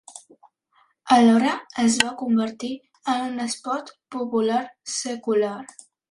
Alhora es va convertir en un esport popular secular.